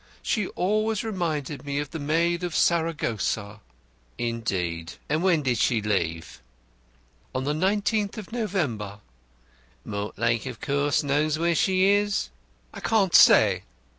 She always reminded me of the Maid of Saragossa." "Indeed! And when did she leave?" "On the l9th of November." "Mortlake of course knows where she is?" "I can't say.